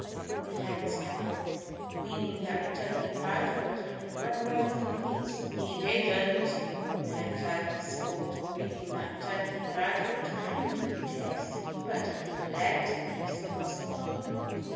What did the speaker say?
the hens cackled, meaning that Turkey Proudfoot had run away from the geese. "He didn't!" the hen turkeys squalled, meaning that Turkey Proudfoot hadn't been chased, but had led the geese across the farmyard.